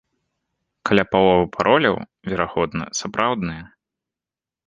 Каля паловы пароляў, верагодна, сапраўдныя.